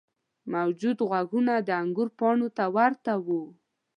موجود غوږونه د انګور پاڼو ته ورته وو.